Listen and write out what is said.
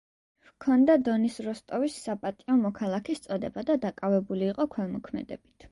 ჰქონდა დონის როსტოვის საპატიო მოქალაქის წოდება და დაკავებული იყო ქველმოქმედებით.